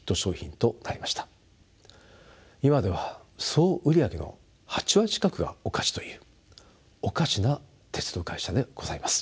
今では総売り上げの８割近くがお菓子というおかしな鉄道会社でございます。